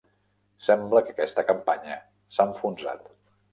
Sembla que aquesta campanya s'ha enfonsat.